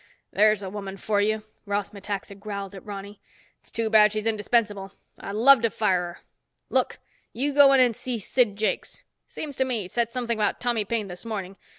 "There's a woman for you," Ross Metaxa growled at Ronny. "It's too bad she's indispensable. I'd love to fire her. Look, you go in and see Sid Jakes. Seems to me he said something about Tommy Paine this morning.